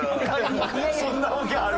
そんなわけあるか！